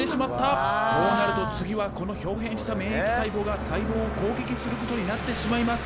こうなると次はこのひょう変した免疫細胞が細胞を攻撃することになってしまいます。